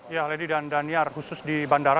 ya lady dan daniar khusus di bandara